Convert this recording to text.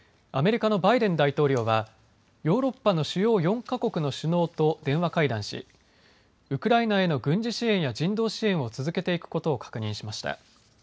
アメリカのバイデン大統領はヨーロッパの主要４か国の首脳と電話会談しウクライナへの軍事支援や人道支援を続けていくことを確認しました。